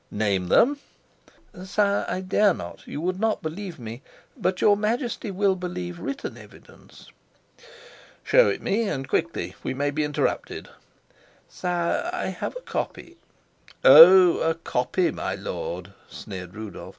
"Name them." "Sire, I dare not. You would not believe me. But your Majesty will believe written evidence." "Show it me, and quickly. We may be interrupted." "Sire, I have a copy " "Oh, a copy, my lord?" sneered Rudolf.